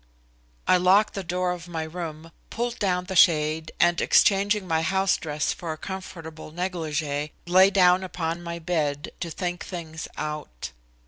I locked the door of my room, pulled down the shade and, exchanging my house dress for a comfortable negligee, lay down upon my bed to think things out.